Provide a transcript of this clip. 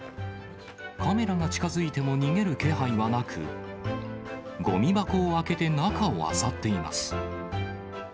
カメラが近づいても逃げる気配はなく、ごみ箱を開けて中をあさっています。